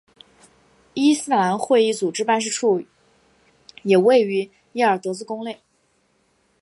伊斯兰会议组织办事处也位于耶尔德兹宫内。